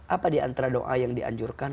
apa diantara doa yang dianjurkan